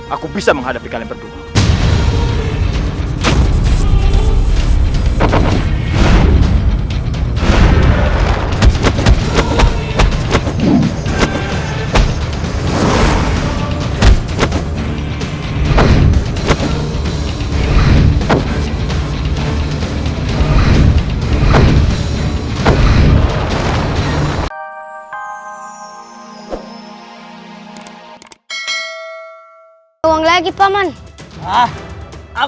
aku bisa menghadapi kalian berdua